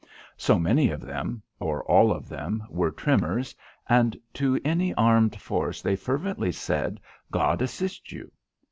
So many of them or all of them were trimmers, and to any armed force they fervently said: "God assist you."